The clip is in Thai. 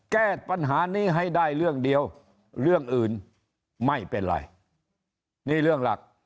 แก้ปัญหานี้ให้ได้เรื่องเดียวเรื่องอื่นไม่เป็นไรนี่เรื่องหลัก